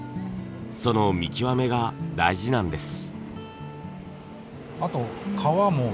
その見極めが大事なんです。